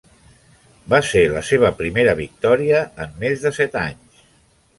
Va ser la seva primera victòria en més de set anys.